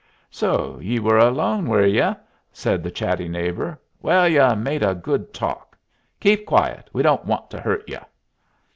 "So ye were alone, were ye?" said the chatty neighbor. "Well, ye made a good talk. Keep quiet we don't want to hurt ye."